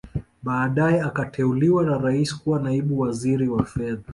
Baadae akateuliwa na Rais kuwa Naibu Waziri wa Fedha